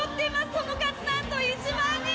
「その数なんと１万人」